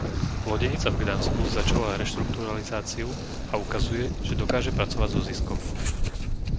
Lodenica v Gdansku začala reštrukturalizáciu a ukazuje, že dokáže pracovať so ziskom.